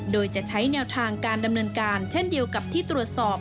โดยจะใช้แนวทางการดำเนินการเช่นเดียวกับที่ตรวจสอบ